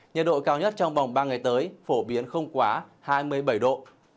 nhiệt độ cao nhất trong vòng ba ngày tới phổ biến không quá hai mươi bảy độ